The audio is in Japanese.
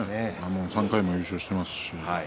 ３回も優勝していますしね。